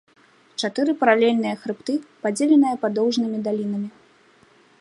Чатыры паралельныя хрыбты, падзеленыя падоўжнымі далінамі.